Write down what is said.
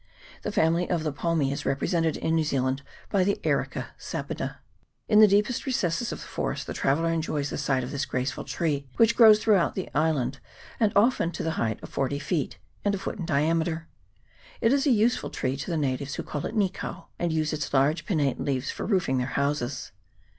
The family of the Palmes is represented in New Zealand by the Areca sapida. In the deepest recesses of the forest the traveller enjoys the sight of this graceful tree, which grows throughout the island, and often to the height of 40 feet, and a foot in diameter. It is a useful tree to the natives, who call it nikau, and use its large pinnate leaves for roofing their houses.